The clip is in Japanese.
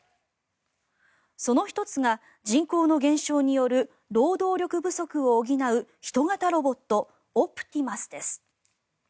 その１つが人口の減少による労働力不足を補う人型ロボットオプティマスです。